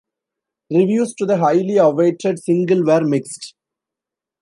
Reviews to the highly-awaited single were mixed.